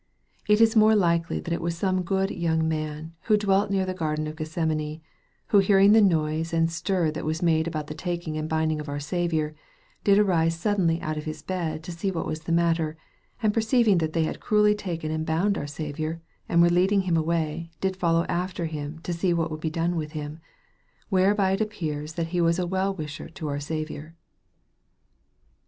It ih more likely that it was some good young man, who dwelt near the garden of Gethsemane, who hearing the noise and stir that was made about the taking and binding of our Saviour, did arise suddenly out of his bed to see what was the matter, and perceiving that they had cruelly taken and bound our Saviour, and were leading Him away, did follow after Him to see what would be done with Him, whereby it appears that he was a well wisher to our Saviour."